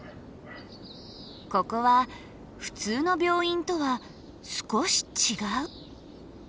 ここは普通の病院とは少し違う。